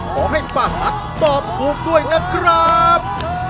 ขอให้ป้าหักตอบถูกด้วยนะครับ